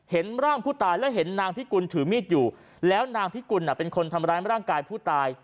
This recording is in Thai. เห็นร่างผู้ตายและเห็นนางพิกุลถือมีดอยู่แล้วนางพิกุลเป็นคนทำร้ายร่างกายผู้ตาย